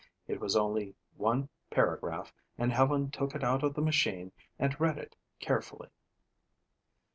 It was only one paragraph and Helen took it out of the machine and read it carefully.